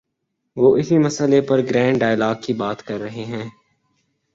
وہ اسی مسئلے پر گرینڈ ڈائیلاگ کی بات کر رہے ہیں۔